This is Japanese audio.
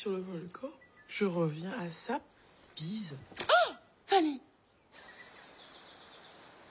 あっ！